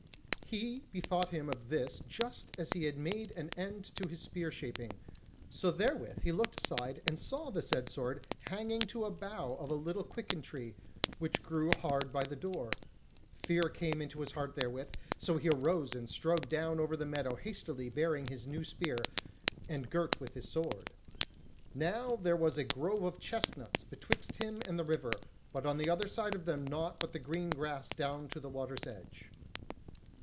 He bethought him of this just as he had made an end of his spear shaping, so therewith he looked aside and saw the said sword hanging to a bough of a little quicken tree, which grew hard by the door. Fear came into his heart therewith, so he arose and strode down over the meadow hastily bearing his new spear, and girt with his sword. Now there was a grove of chestnuts betwixt him and the river, but on the other side of them naught but the green grass down to the water's edge.